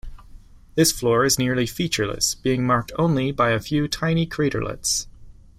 This floor is nearly featureless, being marked only by a few tiny craterlets.